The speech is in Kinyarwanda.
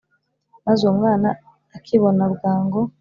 Maze uwo mwana akibona bwangu